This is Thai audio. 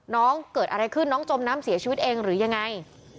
น้องเกิดอะไรขึ้นน้องจมน้ำเสียชีวิตเองหรือยังไง